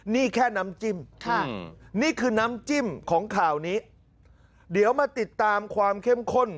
นี่แค่น้ำจิ้มค่ะนี่คือน้ำจิ้มของข่าวนี้เดี๋ยวมาติดตามความเข้มข้น